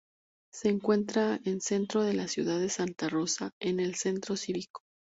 Se encuentra en centro de la ciudad de Santa Rosa, en el Centro Cívico.